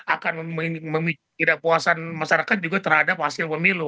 akan memicu tidak puasan masyarakat juga terhadap hasil pemilu